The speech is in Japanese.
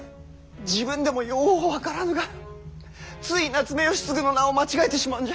自分でもよう分からぬがつい夏目吉次の名を間違えてしまうんじゃ。